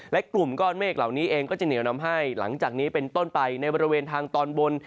และกลุ่มก้อนเมฆเหล่านี้เองก็จะเหนียวนำให้หลังจากนี้เป็นต้นไปในบริเวณทางตอนบน